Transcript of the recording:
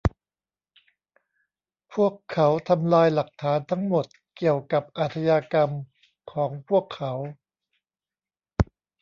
พวกเขาทำลายหลักฐานทั้งหมดเกี่ยวกับอาชญากรรมของพวกเขา